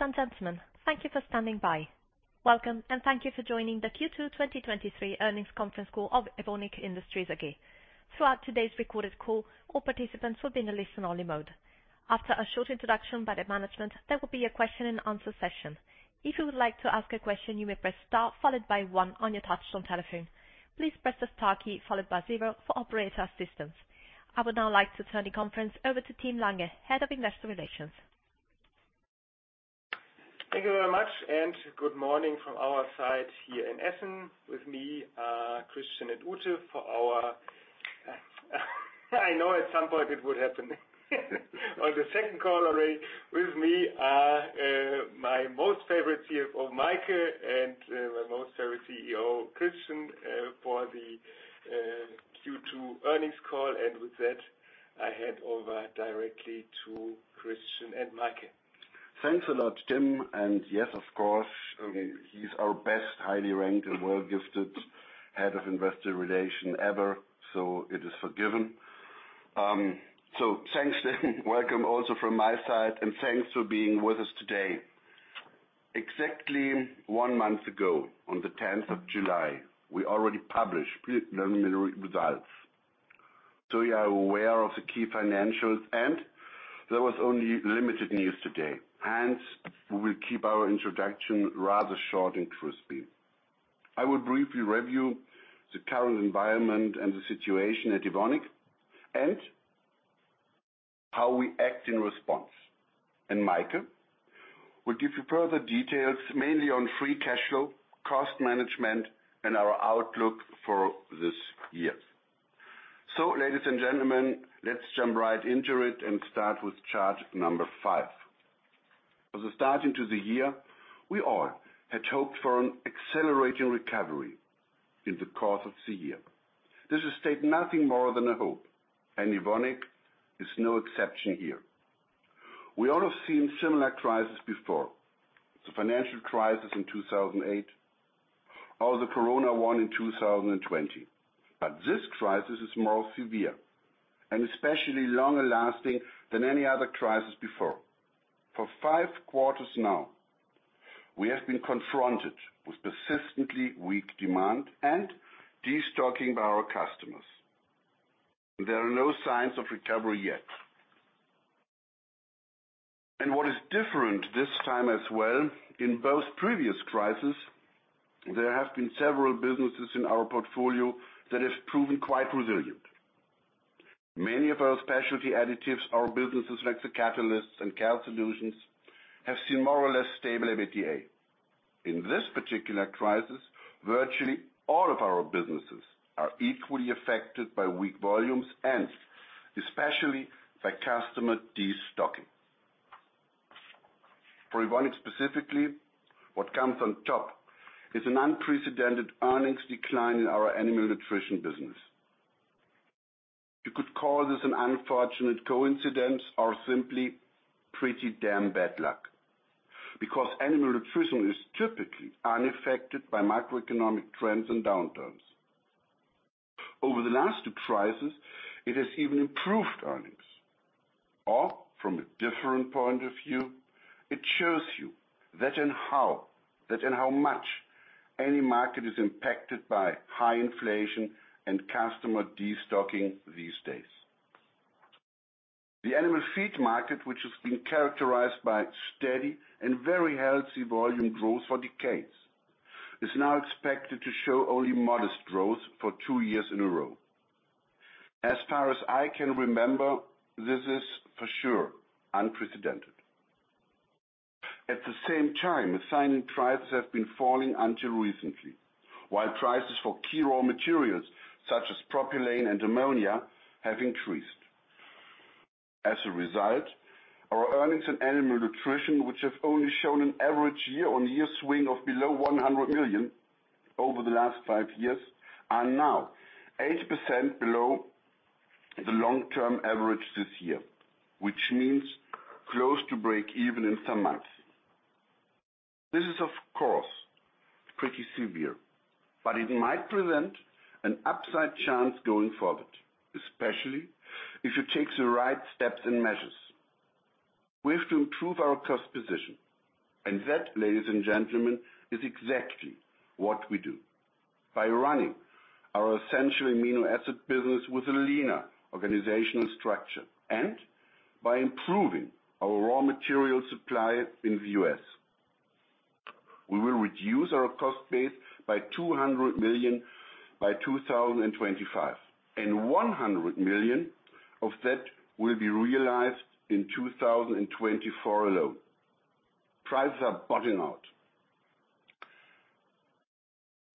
Ladies and gentlemen, thank you for standing by. Welcome, and thank you for joining the Q2 2023 earnings conference call of Evonik Industries AG. Throughout today's recorded call, all participants will be in a listen only mode. After a short introduction by the management, there will be a question and answer session. If you would like to ask a question, you may press star followed by one on your touchtone telephone. Please press the Star key followed by Zero for operator assistance. I would now like to turn the conference over to Tim Lange, Head of Investor Relations. Thank you very much. Good morning from our side here in Essen. With me, Christian and Ute for our. I know at some point it would happen. On the second call already. With me are my most favorite CFO, Maike, and my most favorite CEO, Christian, for the Q2 earnings call. With that, I hand over directly to Christian and Maike. Thanks a lot, Tim. Yes, of course, he's our best, highly ranked, and well gifted head of investor relations ever, so it is forgiven. Thanks. Welcome also from my side, and thanks for being with us today. Exactly one month ago, on July 10th, we already published preliminary results. You are aware of the key financials, and there was only limited news today, and we will keep our introduction rather short and crispy. I will briefly review the current environment and the situation at Evonik, and how we act in response. Maike will give you further details, mainly on Free Cash Flow, cost management, and our outlook for this year. Ladies and gentlemen, let's jump right into it and start with chart number five. For the start into the year, we all had hoped for an accelerating recovery in the course of the year. This is state nothing more than a hope, and Evonik is no exception here. We all have seen similar crises before, the financial crisis in 2008, or the Corona one in 2020. This crisis is more severe and especially longer lasting than any other crisis before. For five quarters now, we have been confronted with persistently weak demand and destocking by our customers. There are no signs of recovery yet. What is different this time as well, in both previous crises, there have been several businesses in our portfolio that have proven quite resilient. Many of our Specialty Additives, our businesses, like the catalysts and care solutions, have seen more or less stable EBITDA. In this particular crisis, virtually all of our businesses are equally affected by weak volumes and especially by customer destocking. For Evonik, specifically, what comes on top is an unprecedented earnings decline in our Animal Nutrition business. You could call this an unfortunate coincidence or simply pretty damn bad luck, because animal nutrition is typically unaffected by macroeconomic trends and downturns. Over the last two crises, it has even improved earnings, or from a different point of view, it shows you that and how, that and how much any market is impacted by high inflation and customer destocking these days. The animal feed market, which has been characterized by steady and very healthy volume growth for decades, is now expected to show only modest growth for two years in a row. As far as I can remember, this is for sure unprecedented. At the same time, assigned prices have been falling until recently, while prices for key raw materials, such as propylene and ammonia, have increased. As a result, our earnings in Animal Nutrition, which have only shown an average year-on-year swing of below 100 million over the last five years, are now 80% below the long-term average this year, which means close to break even in some months. This is, of course, pretty severe, but it might present an upside chance going forward, especially if you take the right steps and measures. We have to improve our cost position, and that, ladies and gentlemen, is exactly what we do. By running our essential amino acid business with a leaner organizational structure and by improving our raw material supply in the U.S. We will reduce our cost base by 200 million by 2025. 100 million of that will be realized in 2024 alone. Prices are bottoming out.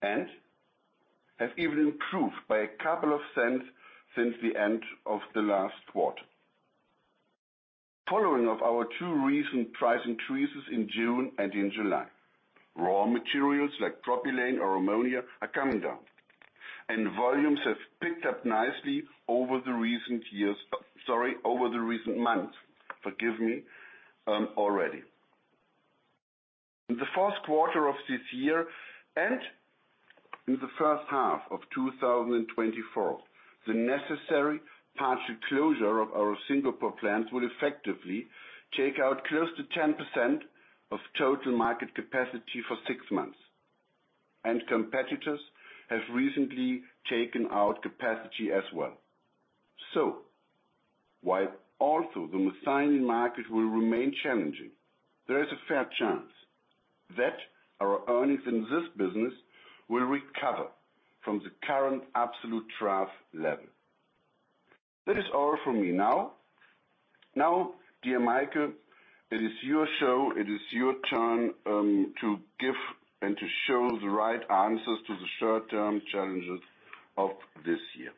Prices have even improved by a couple of cents since the end of the last quarter. Following of our two recent price increases in June and in July, raw materials like propylene or ammonia are coming down, and volumes have picked up nicely over the recent years... Sorry, over the recent months, forgive me, already. In the first quarter of this year, In the first half of 2024, the necessary partial closure of our Singapore plants will effectively take out close to 10% of total market capacity for six months. Competitors have recently taken out capacity as well. While also the methionine market will remain challenging, there is a fair chance that our earnings in this business will recover from the current absolute trough level. That is all for me. Now, now, dear Maike, it is your show. It is your turn to give and to show the right answers to the short-term challenges of this year.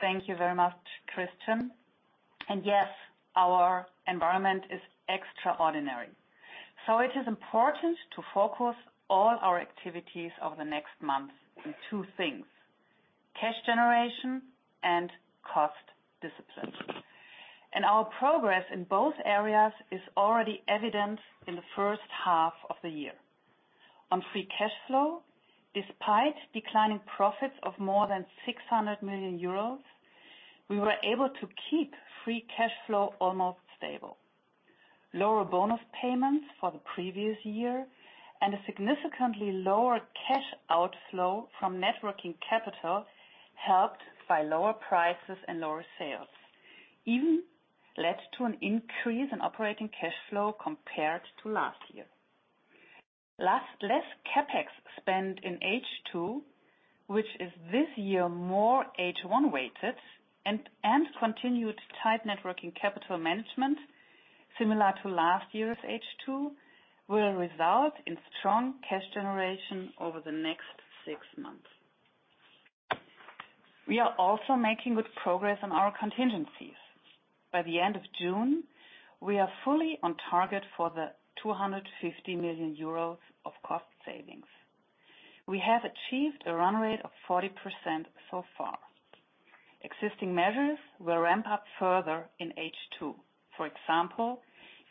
Thank you very much, Christian. Yes, our environment is extraordinary. It is important to focus all our activities over the next months on two things: cash generation and cost discipline. Our progress in both areas is already evident in the first half of the year. On free cash flow, despite declining profits of more than 600 million euros, we were able to keep free cash flow almost stable. Lower bonus payments for the previous year, and a significantly lower cash outflow from Net Working Capital, helped by lower prices and lower sales, even led to an increase in operating cash flow compared to last year. Last, less CapEx spend in H2, which is this year, more H1 weighted, and continued tight Net Working Capital Management, similar to last year's H2, will result in strong cash generation over the next six months. We are also making good progress on our contingencies. By the end of June, we are fully on target for the 250 million euros of cost savings. We have achieved a run rate of 40% so far. Existing measures will ramp up further in H2. For example,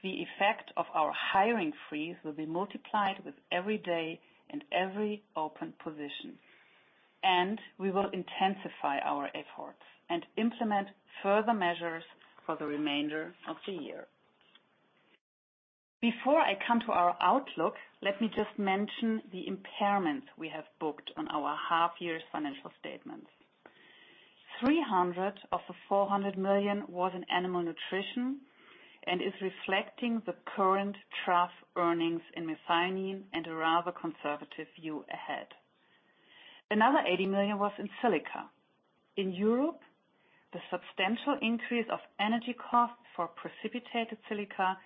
the effect of our hiring freeze will be multiplied with every day and every open position, and we will intensify our efforts and implement further measures for the remainder of the year. Before I come to our outlook, let me just mention the impairments we have booked on our half year's financial statements. 300 of the 400 million was in Animal Nutrition and is reflecting the current trough earnings in methionine and a rather conservative view ahead. Another 80 million was in silica. In Europe, the substantial increase of energy costs for precipitated silica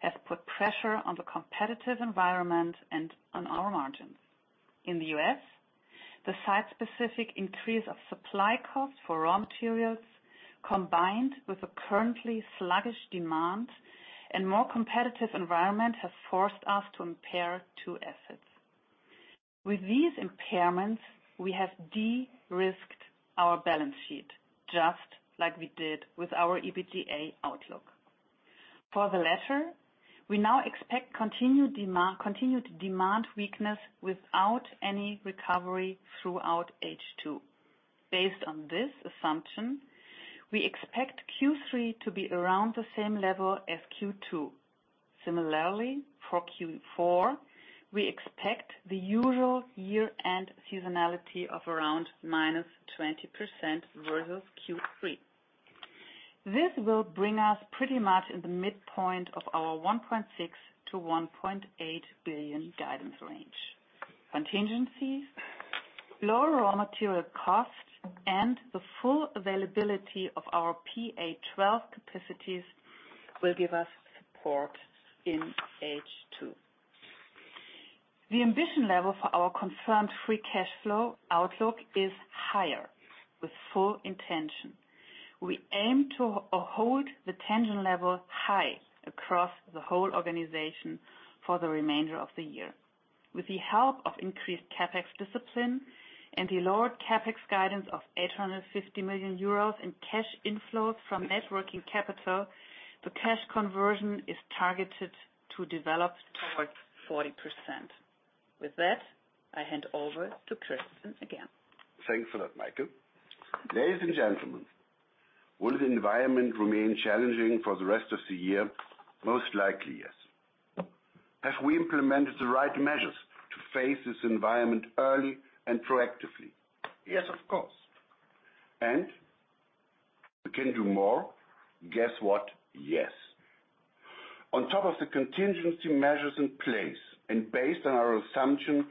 has put pressure on the competitive environment and on our margins. In the US, the site-specific increase of supply costs for raw materials, combined with a currently sluggish demand and more competitive environment, have forced us to impair two assets. With these impairments, we have de-risked our balance sheet, just like we did with our EBITDA outlook. For the latter, we now expect continued demand, continued demand weakness without any recovery throughout H2. Based on this assumption, we expect Q3 to be around the same level as Q2. Similarly, for Q4, we expect the usual year-end seasonality of around -20% versus Q3. This will bring us pretty much in the midpoint of our 1.6 billion-1.8 billion guidance range. Contingencies, lower raw material costs, and the full availability of our PA 12 capacities will give us support in H2. The ambition level for our confirmed free cash flow outlook is higher with full intention. We aim to hold the tension level high across the whole organization for the remainder of the year. With the help of increased CapEx discipline and the lower CapEx guidance of 850 million euros in cash inflows from net working capital, the cash conversion is targeted to develop towards 40%. With that, I hand over to Christian again. Thanks for that, Maike. Ladies and gentlemen, will the environment remain challenging for the rest of the year? Most likely, yes. Have we implemented the right measures to face this environment early and proactively? Yes, of course. We can do more. Guess what? Yes. On top of the contingency measures in place, and based on our assumption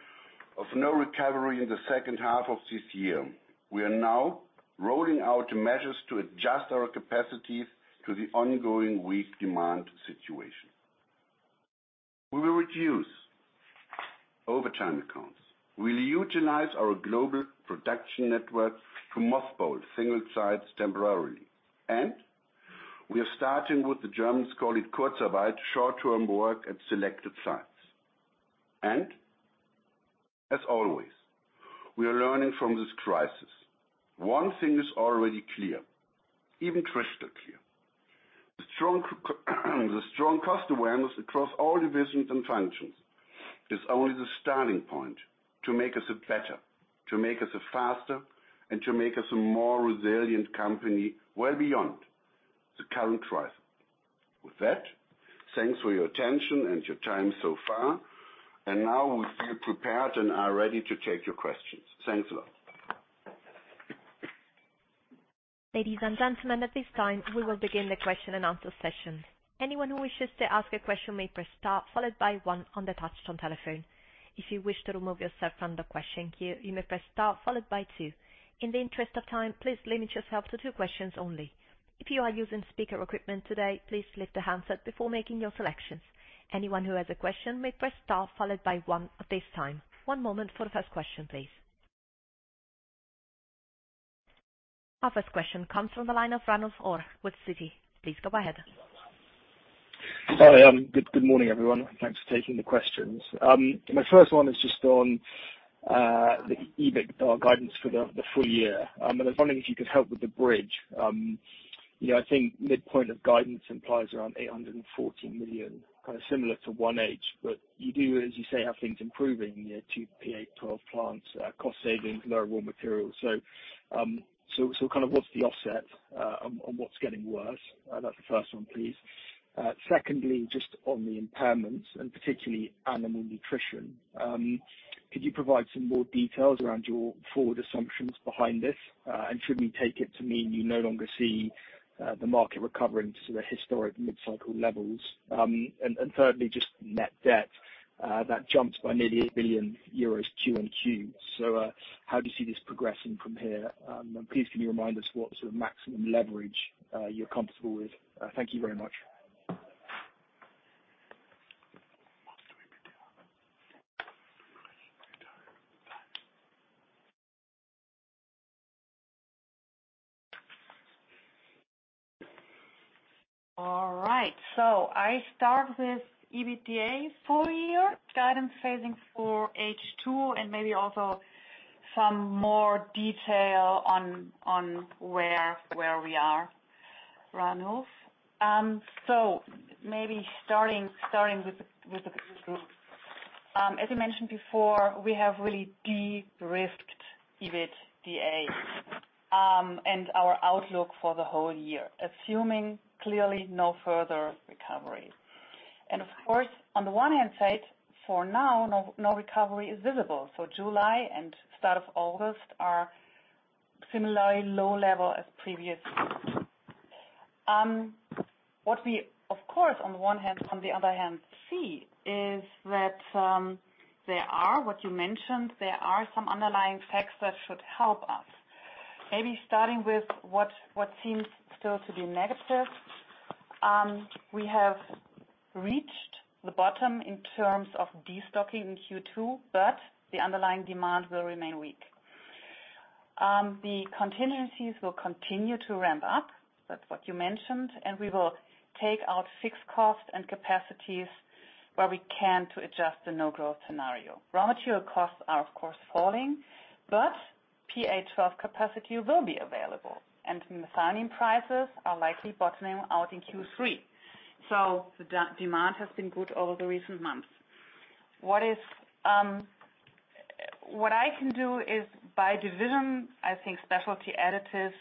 of no recovery in the second half of this year, we are now rolling out measures to adjust our capacities to the ongoing weak demand situation. We will reduce overtime accounts. We'll utilize our global production network to mothball single sites temporarily. We are starting with the Germans call it Kurzarbeit, short-term work at selected sites. As always, we are learning from this crisis. One thing is already clear, even crystal clear. The strong cost awareness across all divisions and functions is only the starting point to make us better, to make us faster, and to make us a more resilient company well beyond the current crisis. With that, thanks for your attention and your time so far, and now we feel prepared and are ready to take your questions. Thanks a lot. Ladies and gentlemen, at this time, we will begin the question and answer session. Anyone who wishes to ask a question may press Star, followed by One on the touchtone telephone. If you wish to remove yourself from the question queue, you may press Star, followed by Two. In the interest of time, please limit yourself to Two questions only. If you are using speaker equipment today, please lift the handset before making your selections. Anyone who has a question may press Star, followed by One at this time. One moment for the first question, please. Our first question comes from the line of Ranulf Orr with Citi. Please go ahead. Hi, good, good morning, everyone. Thanks for taking the questions. My first one is just on the EBIT guidance for the full year. I was wondering if you could help with the bridge. You know, I think midpoint of guidance implies around 840 million, kind of similar to 1H. You do, as you say, have things improving, you know, two PA 12 plants, cost savings, lower raw materials. Kind of what's the offset on what's getting worse? That's the first one, please. Secondly, just on the impairments, and particularly Animal Nutrition, could you provide some more details around your forward assumptions behind this? Should we take it to mean you no longer see the market recovering to the historic mid-cycle levels? Thirdly, just net debt, that jumped by nearly 8 billion euros Q-on-Q. How do you see this progressing from here? Please, can you remind us what sort of maximum leverage you're comfortable with? Thank you very much. All right, I start with EBITDA full year guidance phasing for H2, and maybe also some more detail on where we are, Ranulf. Maybe starting with the group. As I mentioned before, we have really de-risked EBITDA and our outlook for the whole year, assuming clearly no further recovery. Of course, on the one hand, for now, no recovery is visible. July and start of August are similarly low level as previous. What we, of course, on the one hand, on the other hand, see is that, what you mentioned, there are some underlying facts that should help us. Maybe starting with what seems still to be negative. We have reached the bottom in terms of destocking in Q2. The underlying demand will remain weak. The contingencies will continue to ramp up. That's what you mentioned. We will take out fixed costs and capacities where we can to adjust the no-growth scenario. Raw material costs are, of course, falling. PA 12 capacity will be available, and Methionine prices are likely bottoming out in Q3. The de-demand has been good over the recent months. What I can do is by division, I think Specialty Additives,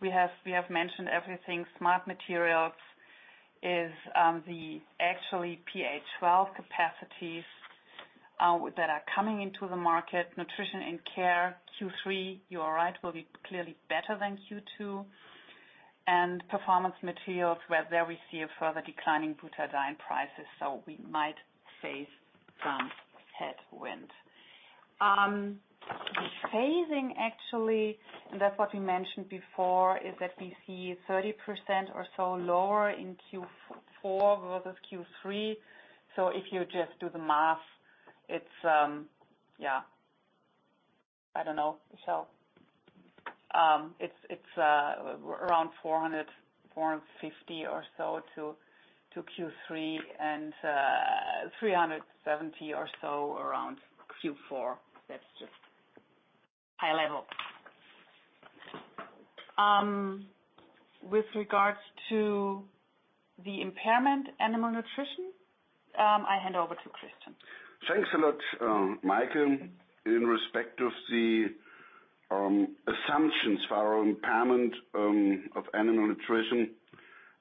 we have mentioned everything. Smart Materials is the actually PA 12 capacities that are coming into the market. Nutrition & Care, Q3, you are right, will be clearly better than Q2. Performance Materials, well, there we see a further declining butadiene prices, so we might face some headwind. The phasing actually, that's what we mentioned before, is that we see 30% or so lower in Q4 versus Q3. If you just do the math, it's, yeah. I don't know, Michelle. It's, it's around 400, 450 or so to Q3 and 370 or so around Q4. That's just high level. With regards to the impairment, Animal Nutrition, I hand over to Christian. Thanks a lot, Maike. In respect of the assumptions for our impairment of Animal Nutrition,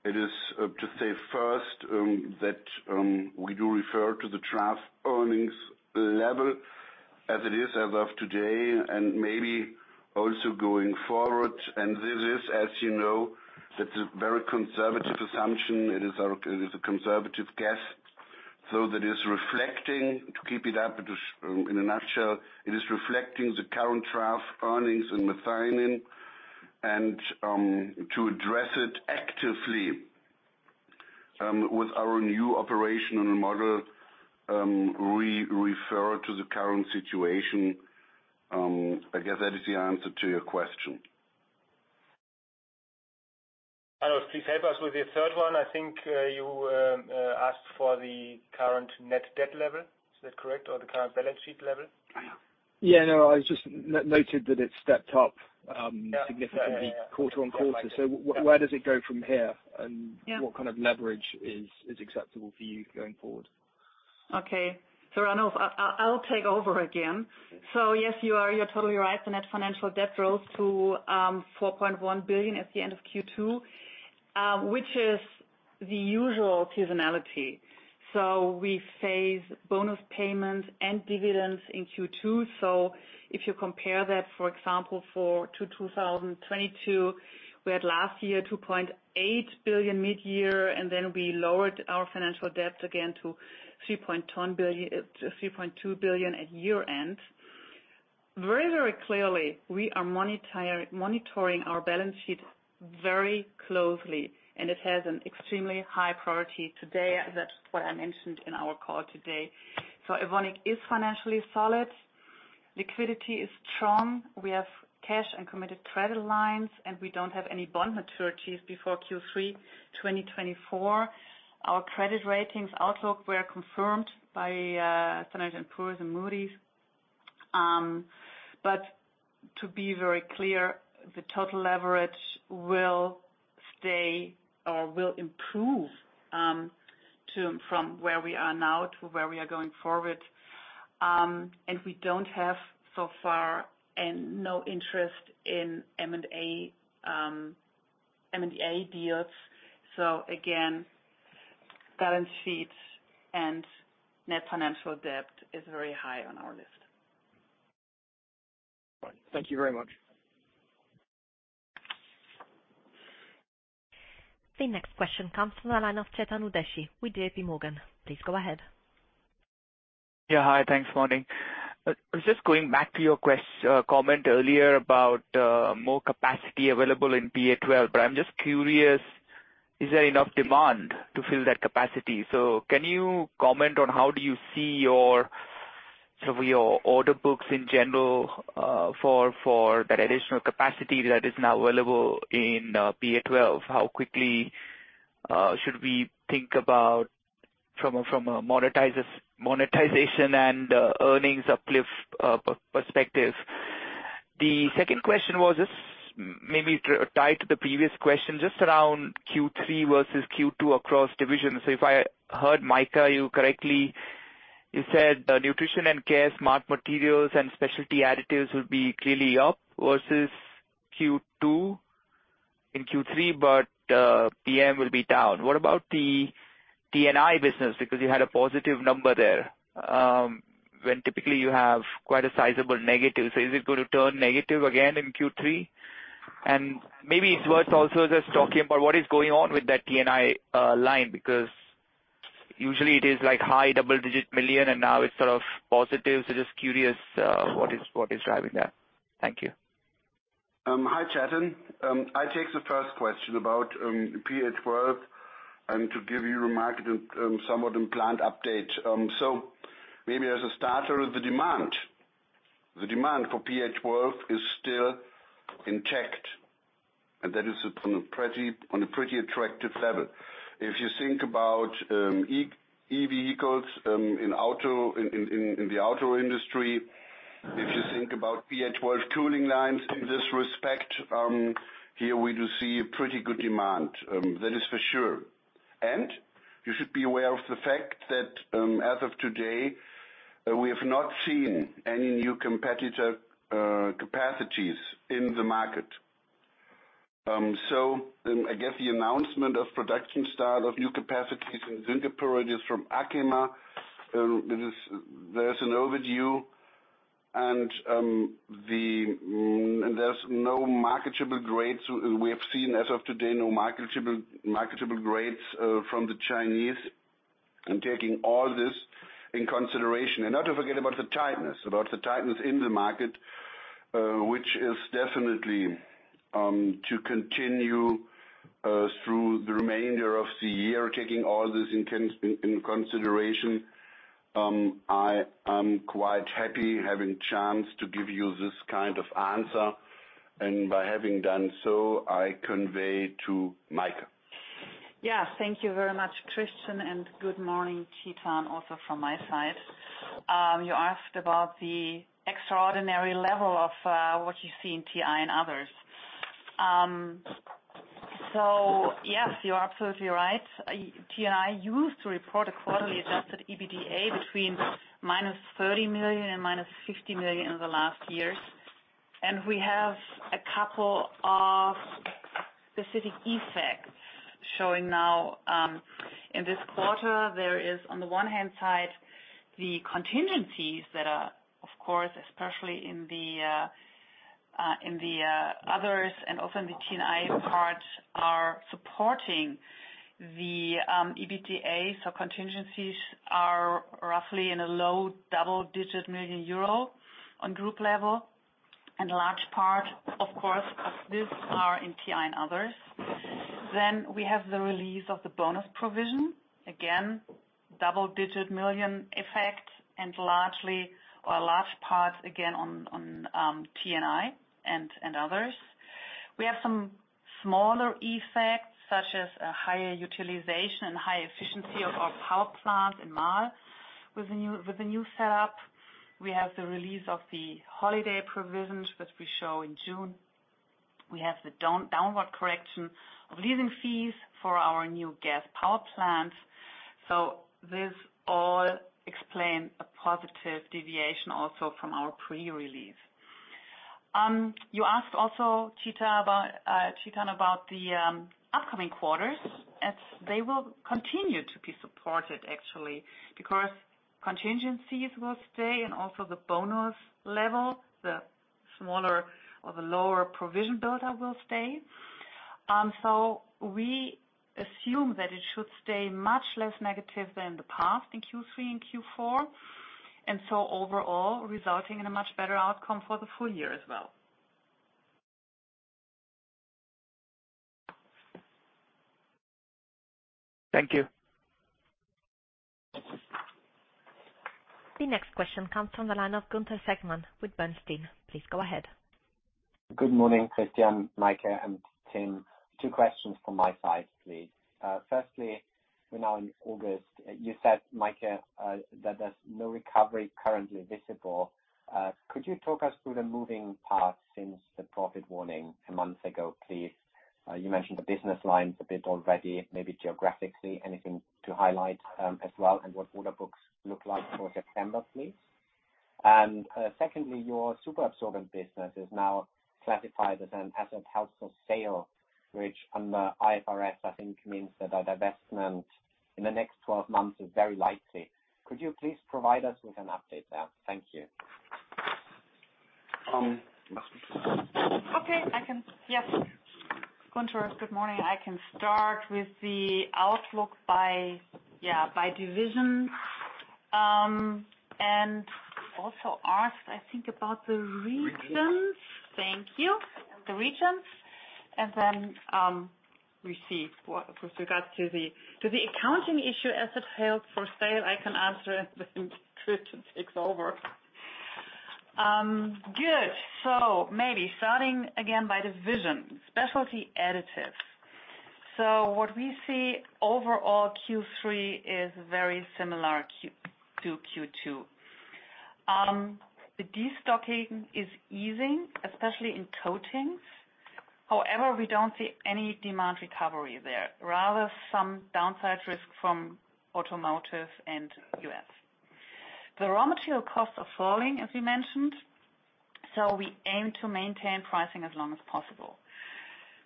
it is to say first that we do refer to the trough earnings level as it is as of today and maybe also going forward. This is, as you know, that's a very conservative assumption. It is a conservative guess. That is reflecting, to keep it up, it is in a nutshell, it is reflecting the current trough earnings in Methionine and to address it actively with our new operational model, we refer to the current situation. I guess that is the answer to your question. I will please help us with the third one. I think you asked for the current net debt level. Is that correct, or the current balance sheet level? Yeah, no, I was just noted that it stepped up significantly quarter-on-quarter. Where does it go from here? Yeah. What kind of leverage is, is acceptable for you going forward? Okay. I know I'll take over again. Yes, you are, you're totally right. The net financial debt rose to 4.1 billion at the end of Q2, which is the usual seasonality. We phase bonus payments and dividends in Q2. If you compare that, for example, for to 2022, we had last year 2.8 billion mid-year, and then we lowered our financial debt again to EUR 3.1 billion, 3.2 billion at year-end. Very, very clearly, we are monitoring our balance sheet very closely, and it has an extremely high priority today. That's what I mentioned in our call today. Evonik is financially solid. Liquidity is strong. We have cash and committed credit lines, and we don't have any bond maturities before Q3 2024. Our credit ratings outlook were confirmed by Standard & Poor's and Moody's. To be very clear, the total leverage will stay or will improve to, from where we are now to where we are going forward. We don't have, so far, and no interest in M&A M&A deals. Again, balance sheets and net financial debt is very high on our list. Right. Thank you very much. The next question comes from the line of Chetan Udeshi with JP Morgan. Please go ahead. Yeah, hi. Thanks, morning. I was just going back to your quest, comment earlier about, more capacity available in PA 12, but I'm just curious, is there enough demand to fill that capacity? Can you comment on how do you see your, some of your order books in general, for, for that additional capacity that is now available in, PA12? How quickly should we think about from a, from a monetization and, earnings uplift, perspective? The second question was just maybe tied to the previous question, just around Q3 versus Q2 across divisions. If I heard Maike, you correctly, you said the Nutrition & Care, Smart Materials, and Specialty Additives will be clearly up versus Q2 in Q3, but, PM will be down. What about the T&I business? Because you had a positive number there, when typically you have quite a sizable negative. Is it going to turn negative again in Q3? Maybe it's worth also just talking about what is going on with that T&I line, because usually it is like high double-digit million, and now it's sort of positive. Just curious, what is, what is driving that? Thank you. Hi, Chetan. I take the first question about PA 12, and to give you a market and somewhat implant update. Maybe as a starter, the demand. The demand for PA 12 is still intact, and that is on a pretty, on a pretty attractive level. If you think about EV vehicles, in auto, in, in, in the auto industry, if you think about PA 12 cooling lines in this respect, here we do see a pretty good demand, that is for sure. You should be aware of the fact that, as of today, we have not seen any new competitor capacities in the market. I guess the announcement of production start of new capacities in Singapore is from Arkema. There is, there's an overview, and the... There's no marketable grades. We have seen, as of today, no marketable, marketable grades from the Chinese. Taking all this in consideration, and not to forget about the tightness, about the tightness in the market, which is definitely to continue through the remainder of the year. Taking all this in consideration, I am quite happy having a chance to give you this kind of answer, and by having done so, I convey to Maike. Thank you very much, Christian, and good morning, Chetan, also from my side. You asked about the extraordinary level of what you see in T&I and others. Yes, you are absolutely right. T&I used to report a quarterly-adjusted EBITDA between -30 million and -50 million in the last years. We have a couple of specific effects showing now in this quarter. There is, on the one-hand side, the contingencies that are, of course, especially in the others, and also in the T&I part, are supporting the EBITDA. Contingencies are roughly in a low double-digit million EUR on group level, and a large part, of course, of this are in T&I and others. We have the release of the bonus provision. Again, double-digit million effects and largely, or a large part, again, on the-... PNI and, and others. We have some smaller effects, such as a higher utilization and high efficiency of our power plant in Marl with the new, with the new setup. We have the release of the holiday provisions, which we show in June. We have the downward correction of leasing fees for our new gas power plant. This all explain a positive deviation also from our pre-release. You asked also, Tita, about Titan, about the upcoming quarters, as they will continue to be supported actually, because contingencies will stay and also the bonus level, the smaller or the lower provision builder will stay. We assume that it should stay much less negative than the past in Q3 and Q4, and so overall, resulting in a much better outcome for the full year as well. Thank you. The next question comes from the line of Gunther Zechmann with Bernstein. Please go ahead. Good morning, Christian, Maike, and Tim. Two questions from my side, please. Firstly, we're now in August. You said, Maike, that there's no recovery currently visible. Could you talk us through the moving parts since the profit warning a month ago, please? You mentioned the business lines a bit already, maybe geographically, anything to highlight as well, and what order books look like for September, please. Secondly, your superabsorbent business is now classified as an Asset Held for Sale, which under IFRS, I think, means that a divestment in the next 12 months is very likely. Could you please provide us with an update there? Thank you. Okay, I can. Yes. Gunther, good morning. I can start with the outlook by division. Also asked, I think, about the regions. Regions. Thank you. The regions, and then, receive with regards to the, to the accounting issue, Asset Held for Sale, I can answer, and then Christian takes over. Good. Maybe starting again by division, Specialty Additives. What we see overall, Q3 is very similar Q- to Q2. The destocking is easing, especially in Coatings. However, we don't see any demand recovery there, rather some downside risk from automotive and U.S. The raw material costs are falling, as we mentioned, so we aim to maintain pricing as long as possible.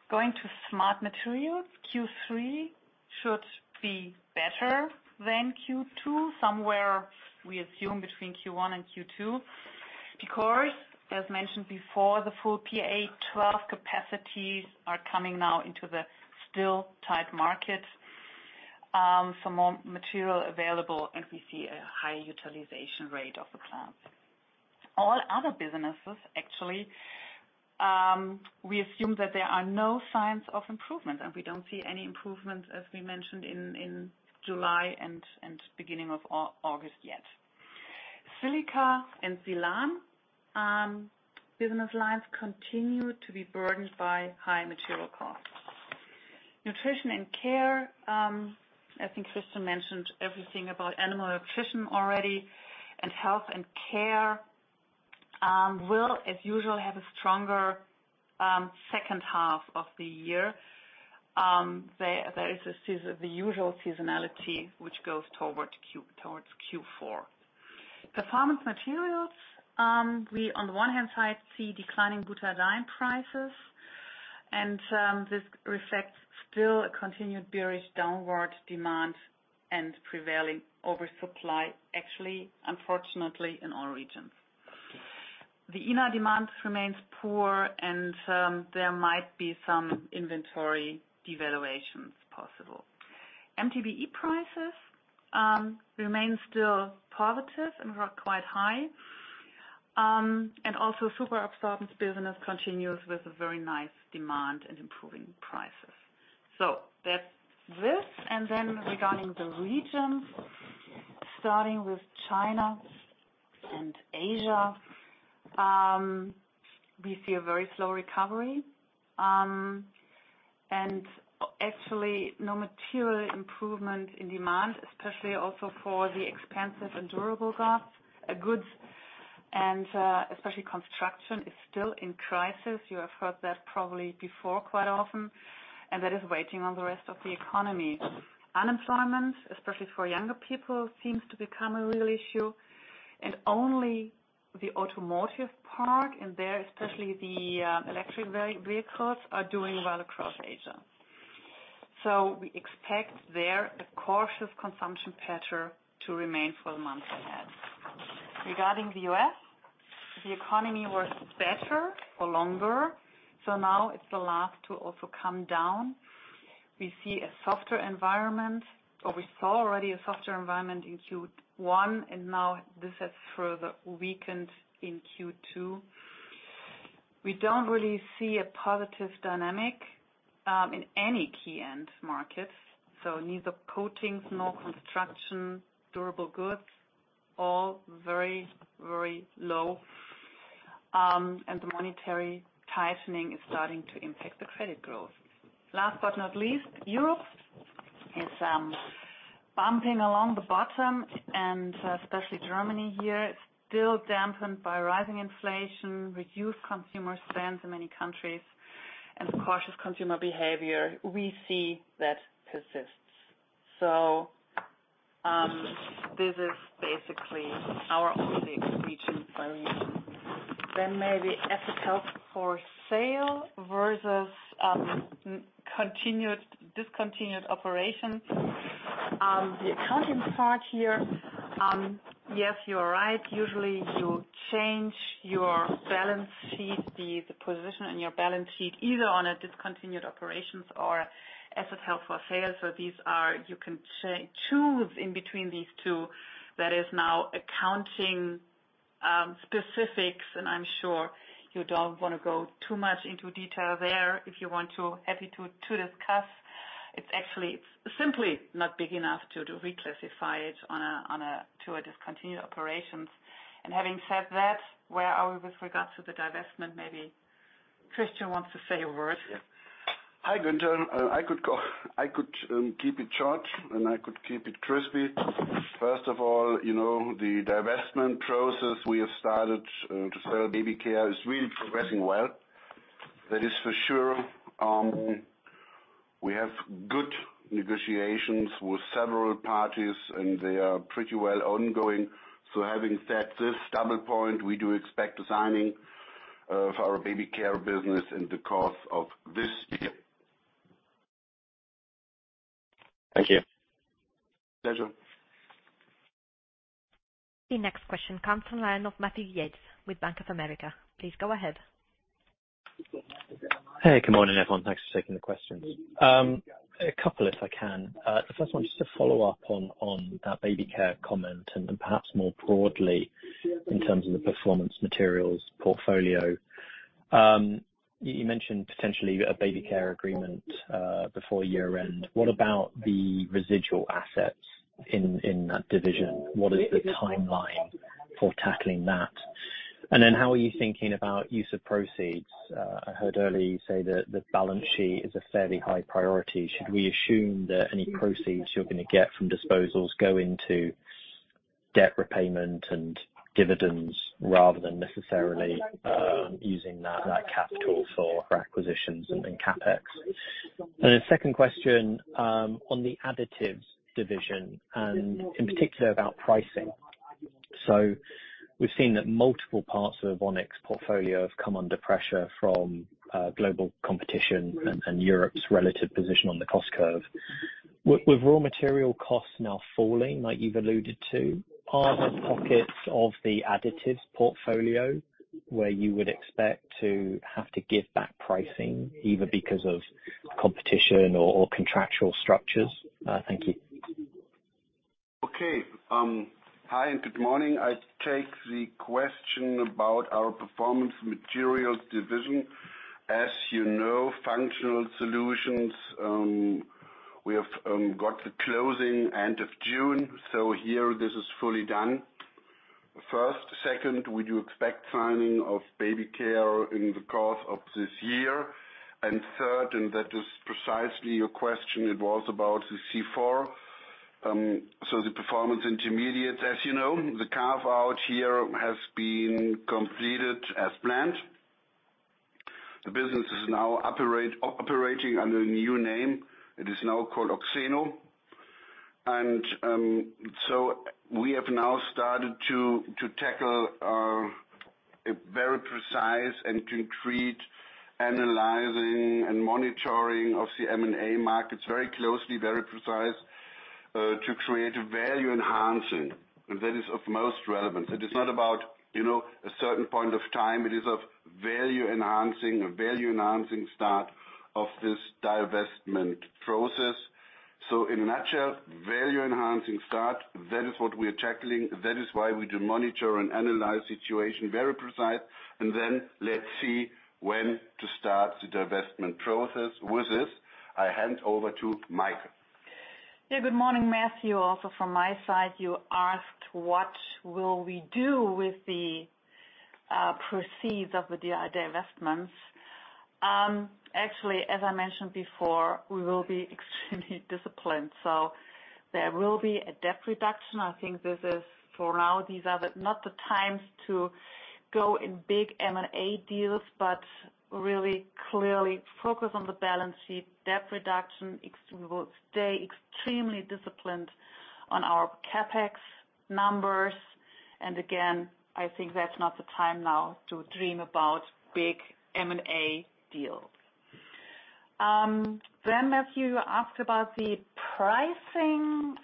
Going to Smart Materials, Q3 should be better than Q2, somewhere, we assume between Q1 and Q2. As mentioned before, the full PA12 capacities are coming now into the still tight market, for more material available, and we see a high utilization rate of the plants. All other businesses, actually, we assume that there are no signs of improvement, and we don't see any improvement, as we mentioned in July and beginning of August yet. Silica and Silanes business lines continue to be burdened by high material costs. Nutrition & Care, I think Christian mentioned everything about Animal Nutrition already, and Health Care will, as usual, have a stronger second half of the year. There, there is the usual seasonality, which goes towards Q4. Performance Materials, we, on the one hand side, see declining butadiene prices, and this reflects still a continued bearish downward demand and prevailing oversupply, actually, unfortunately, in all regions. The inner demand remains poor and there might be some inventory devaluations possible. MTBE prices remain still positive and are quite high. Also superabsorbent business continues with a very nice demand and improving prices. That's this. Regarding the regions, starting with China and Asia, we see a very slow recovery, and actually, no material improvement in demand, especially also for the expensive and durable goods. goods and, especially construction, is still in crisis. You have heard that probably before, quite often, and that is waiting on the rest of the economy. Unemployment, especially for younger people, seems to become a real issue, and only the automotive part, and there, especially the electric vehicles, are doing well across Asia. We expect there, a cautious consumption pattern to remain for the months ahead. Regarding the U.S., the economy was better for longer, so now it's the last to also come down. We see a softer environment, or we saw already a softer environment in Q1. Now this has further weakened in Q2. We don't really see a positive dynamic in any key end market. Neither coatings, nor construction, durable goods, all very, very low. The monetary tightening is starting to impact the credit growth. Last but not least, Europe is bumping along the bottom. Especially Germany here, is still dampened by rising inflation, reduced consumer spends in many countries, and cautious consumer behavior, we see that persists. This is basically our only region. Maybe Asset Held for Sale versus continued, Discontinued Operations. The accounting part here, yes, you're right. Usually, you change your balance sheet, the, the position on your balance sheet, either on a Discontinued Operations or Asset Held for Sale. These are, you can choose in between these two. That is now accounting specifics, and I'm sure you don't want to go too much into detail there. If you want to, happy to, to discuss. It's actually simply not big enough to reclassify it to a Discontinued Operations. Having said that, where are we with regards to the divestment? Maybe Christian wants to say a word. Yeah. Hi, Gunther. I could keep it short, and I could keep it crispy. First of all, you know, the divestment process we have started to sell Baby Care is really progressing well. That is for sure. We have good negotiations with several parties, and they are pretty well ongoing. Having said this double point, we do expect the signing of our Baby Care business in the course of this year. Thank you. Pleasure. The next question comes from the line of Matthew Yates with Bank of America. Please go ahead. Hey, good morning, everyone. Thanks for taking the questions. A couple, if I can. The first one, just to follow up on, on that Baby Care comment, and perhaps more broadly, in terms of the Performance Materials portfolio. You, you mentioned potentially a Baby Care agreement, before year-end. What about the residual assets in, in that division? What is the timeline for tackling that? How are you thinking about use of proceeds? I heard earlier you say that the balance sheet is a fairly high priority. Should we assume that any proceeds you're going to get from disposals go into debt repayment and dividends, rather than necessarily, using that, that capital for acquisitions and then CapEx? The second question, on the Additives division, and in particular about pricing. We've seen that multiple parts of Oxeno portfolio have come under pressure from global competition and, and Europe's relative position on the cost curve. With raw material costs now falling, like you've alluded to, are there pockets of the additives portfolio where you would expect to have to give back pricing, either because of competition or, or contractual structures? Thank you. Okay, hi, good morning. I take the question about our Performance Materials division. As you know, Functional Solutions, we have got the closing end of June. Here, this is fully done. First. Second, we do expect signing of Baby Care in the course of this year. Third, that is precisely your question, it was about the C4. The Performance Intermediates, as you know, the carve-out here has been completed as planned. The business is now operating under a new name. It is now called Oxeno. We have now started to tackle a very precise and concrete analyzing and monitoring of the M&A markets very closely, very precise, to create a value enhancing, that is of most relevance. It is not about, you know, a certain point of time, it is of value enhancing, a value enhancing start of this divestment process. In a nutshell, value enhancing start, that is what we are tackling. That is why we do monitor and analyze situation very precise. Then let's see when to start the divestment process. With this, I hand over to Maike. Yeah, good morning, Matthew. Also from my side, you asked what will we do with the proceeds of the divestments. Actually, as I mentioned before, we will be extremely disciplined. There will be a debt reduction. I think this is, for now, these are the, not the times to go in big M&A deals, but really clearly focus on the balance sheet, debt reduction. We will stay extremely disciplined on our CapEx numbers. Again, I think that's not the time now to dream about big M&A deals. Matthew, you asked about the pricing...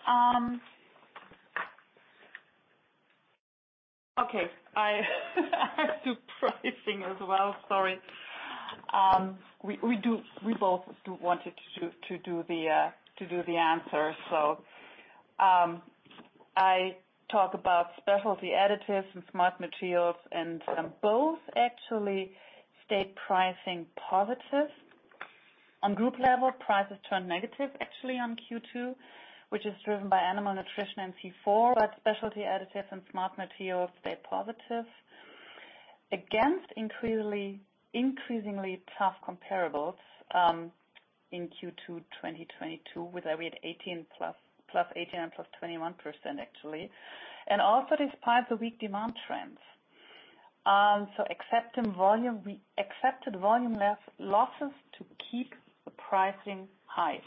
Okay, I, I do pricing as well. Sorry.... We, we do, we both do wanted to, to do the, to do the answer. I talk about Specialty Additives and Smart Materials, both actually stay pricing positive. On group level, prices turn negative actually on Q2, which is driven by Animal Nutrition and C4, but Specialty Additives and Smart Materials stay positive. Against increasingly, increasingly tough comparables, in Q2 2022, where they were at 18+, +18 and +21%, actually, and also despite the weak demand trends. We accepted volume less losses to keep the pricing high.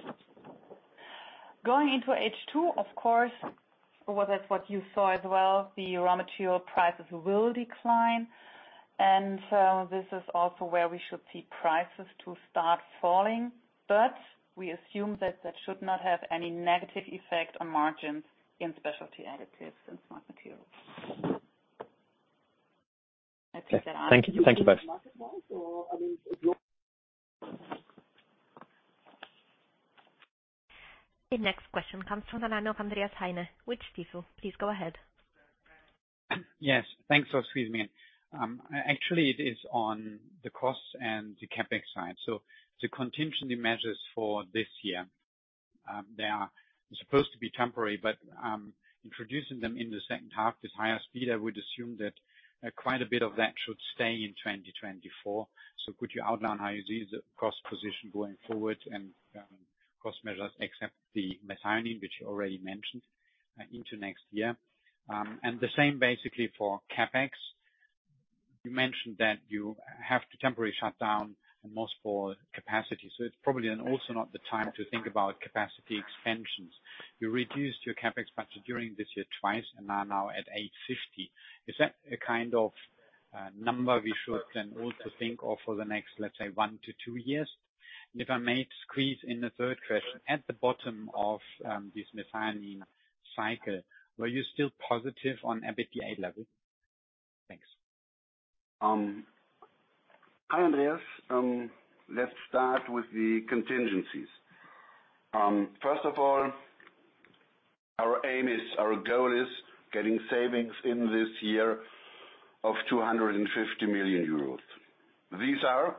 Going into H2, of course, well, that's what you saw as well. The raw material prices will decline, and this is also where we should see prices to start falling, but we assume that that should not have any negative effect on margins in Specialty Additives and Smart Materials. I think that answers- Thank you. Thank you both. The next question comes from the line of Andreas Heine with Stifel. Please go ahead. Yes, thanks for squeezing me in. Actually, it is on the costs and the CapEx side. The contingency measures for this year, they are supposed to be temporary, but introducing them in the second half, this higher speed, I would assume that quite a bit of that should stay in 2024. Could you outline how you see the cost position going forward and cost measures, except the methionine, which you already mentioned, into next year? The same basically for CapEx. You mentioned that you have to temporarily shut down and most for capacity, so it's probably and also not the time to think about capacity expansions. You reduced your CapEx budget during this year twice and are now at 850. Is that a kind of number we should then also think of for the next, let's say, one to two years? If I may squeeze in a third question, at the bottom of this methionine cycle, were you still positive on EBITDA level? Thanks. Hi, Andreas. Let's start with the contingencies. First of all, our aim is, our goal is getting savings in this year of 250 million euros. These are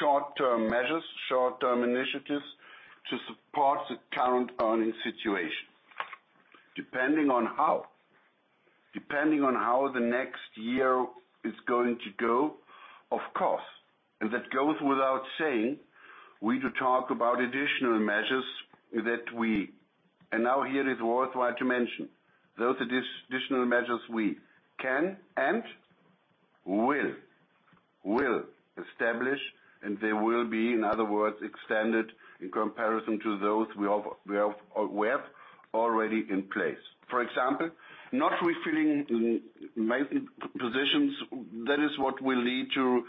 short-term measures, short-term initiatives to support the current earning situation. Depending on how the next year is going to go, of course, that goes without saying, we to talk about additional measures that we. Now here it's worthwhile to mention, those additional measures we can and will establish, and they will be, in other words, extended in comparison to those we have already in place. For example, not refilling positions, that is what will lead to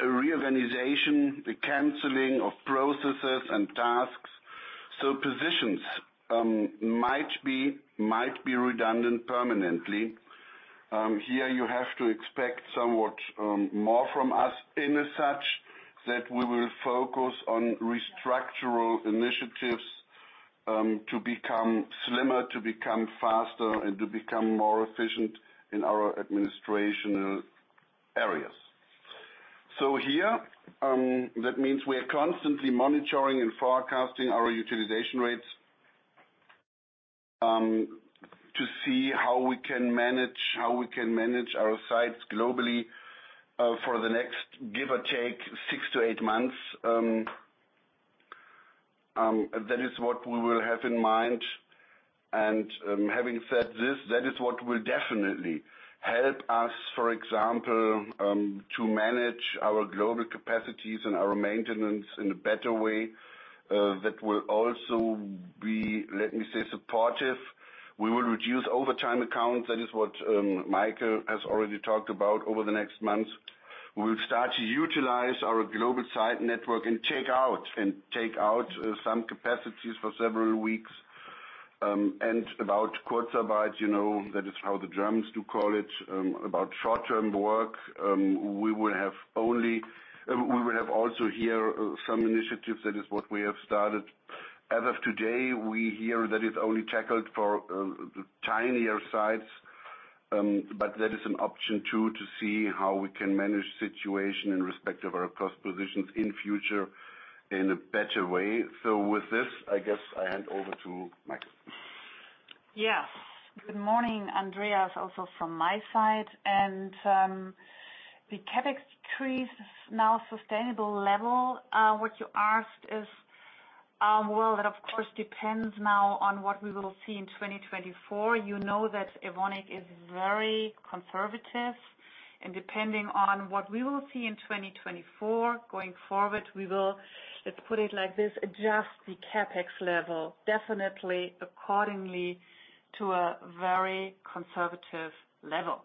a reorganization, a canceling of processes and tasks. Positions might be redundant permanently. Here you have to expect somewhat more from us in as such, that we will focus on structural initiatives to become slimmer, to become faster, and to become more efficient in our administrational areas. Here, that means we are constantly monitoring and forecasting our utilization rates to see how we can manage, how we can manage our sites globally for the next, give or take, six to eight months. That is what we will have in mind. Having said this, that is what will definitely help us, for example, to manage our global capacities and our maintenance in a better way. That will also be, let me say, supportive. We will reduce overtime accounts. That is what, Maike has already talked about over the next months. We will start to utilize our global site network and take out some capacities for several weeks. About Kurzarbeit, you know, that is how the Germans do call it, about short-term work. We will have also here some initiatives. That is what we have started. As of today, we hear that it's only tackled for the tinier sites, that is an option, too, to see how we can manage situation in respect of our cost positions in future in a better way. With this, I guess I hand over to Maike. Yes. Good morning, Andreas, also from my side. The CapEx increase, now sustainable level, what you asked is, well, that, of course, depends now on what we will see in 2024. You know that Evonik is very conservative, and depending on what we will see in 2024, going forward, we will, let's put it like this, adjust the CapEx level definitely accordingly to a very conservative level.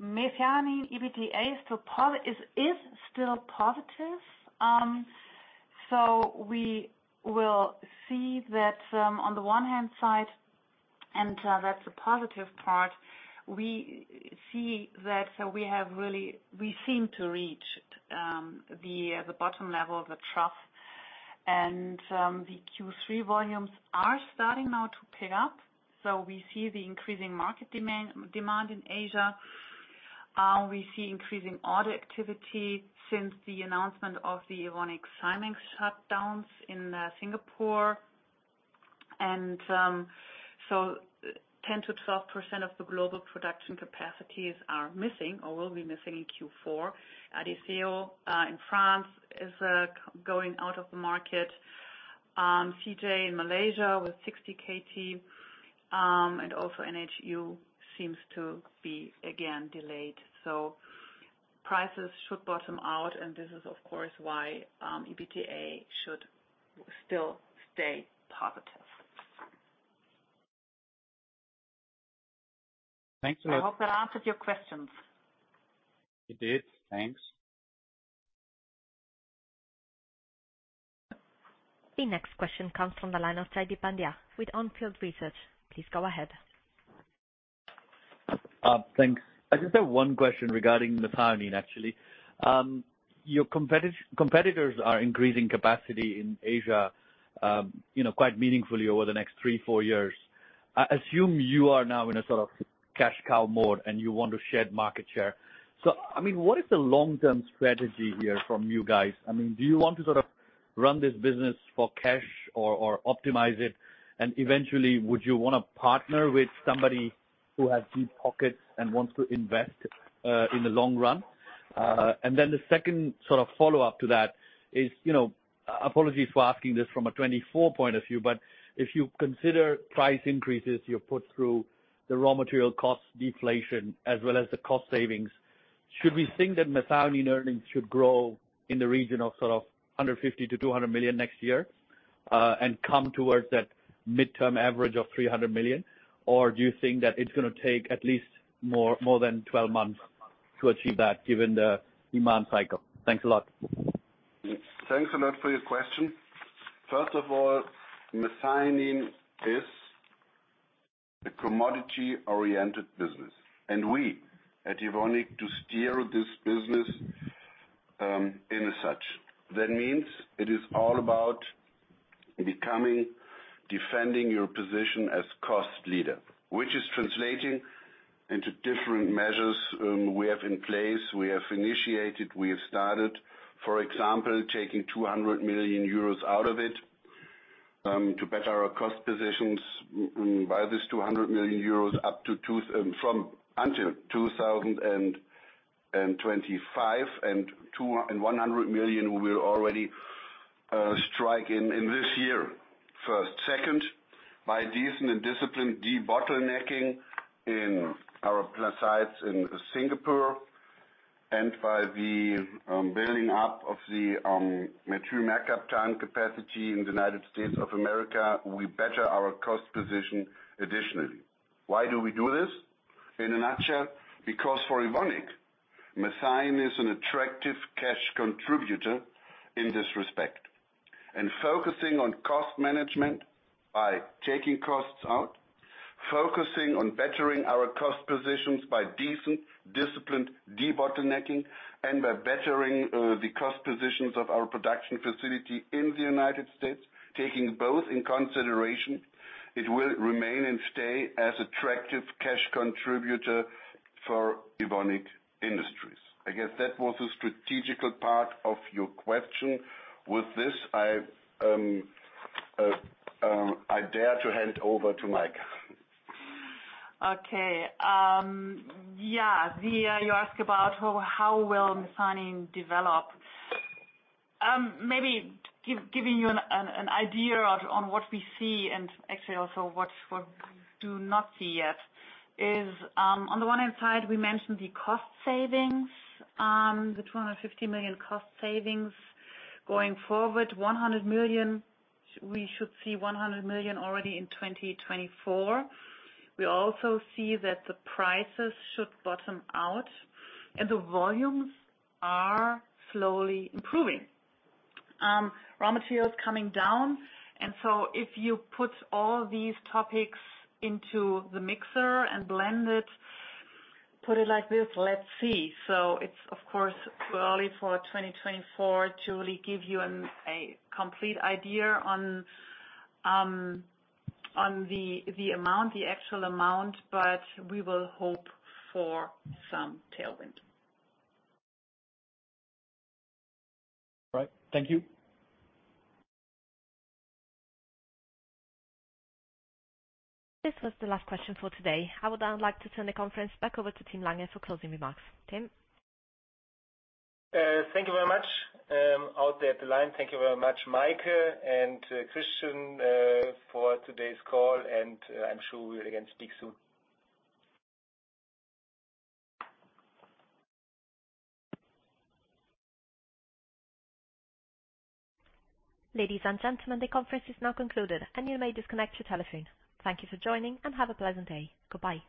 methionine, EBITDA is still positive. We will see that on the one hand side. That's the positive part. We see that we have really we seem to reach the bottom level of the trough, and the Q3 volumes are starting now to pick up. We see the increasing market demand, demand in Asia. We see increasing order activity since the announcement of the Evonik signing shutdowns in Singapore. 10%-12% of the global production capacities are missing or will be missing in Q4. Adecco in France is going out of the market. CJ in Malaysia with 60 KT, and also NHU seems to be again delayed. Prices should bottom out, and this is, of course, why EBITDA should still stay positive. Thanks a lot. I hope that answered your questions. It did. Thanks. The next question comes from the line of Jaideep Pandya with On Field Investment Research. Please go ahead. Thanks. I just have one question regarding theMethionine, actually. Your competitors are increasing capacity in Asia, you know, quite meaningfully over the next three, four years. I assume you are now in a sort of cash cow mode, and you want to shed market share. I mean, what is the long-term strategy here from you guys? I mean, do you want to sort of run this business for cash or, or optimize it? Eventually, would you want to partner with somebody who has deep pockets and wants to invest in the long run? The second sort of follow-up to that is, you know, apologies for asking this from a 2024 point of view, but if you consider price increases, you put through the raw material cost deflation as well as the cost savings. Should we think that Methionine earnings should grow in the region of sort of 150 million-200 million next year, and come towards that midterm average of 300 million? Or do you think that it's gonna take at least more than 12 months to achieve that, given the demand cycle? Thanks a lot. Thanks a lot for your question. First of all, Methionine is a commodity-oriented business, we at Evonik, to steer this business, in as such. That means it is all about becoming, defending your position as cost leader, which is translating into different measures, we have in place. We have initiated, we have started, for example, taking 200 million euros out of it, to better our cost positions by this 200 million euros, From until 2025, and 100 million will already strike in this year, first. Second, by decent and disciplined debottlenecking in our sites in Singapore, and by the building up of the material makeup time capacity in the United States of America, we better our cost position additionally. Why do we do this? In a nutshell, because for Evonik, Methionine is an attractive cash contributor in this respect. Focusing on cost management by taking costs out, focusing on bettering our cost positions by decent, disciplined, debottlenecking, and by bettering the cost positions of our production facility in the United States, taking both in consideration, it will remain and stay as attractive cash contributor for Evonik Industries. I guess that was the strategic part of your question. With this, I dare to hand over to Maike. Okay, yeah, the, you ask about how will Methionine develop? Maybe giving you an idea on what we see and actually also what we do not see yet is, on the one hand side, we mentioned the cost savings, the $250 million cost savings. Going forward, $100 million, we should see $100 million already in 2024. Raw materials coming down, and so if you put all these topics into the mixer and blend it, put it like this, let's see. It's of course, early for 2024 to really give you a complete idea on the amount, the actual amount, but we will hope for some tailwind. All right, thank you. This was the last question for today. I would now like to turn the conference back over to Tim Lange for closing remarks. Tim? Thank you very much. Out there at the line, thank you very much, Maike and Christian, for today's call, and I'm sure we will again speak soon. Ladies and gentlemen, the conference is now concluded. You may disconnect your telephone. Thank you for joining. Have a pleasant day. Goodbye.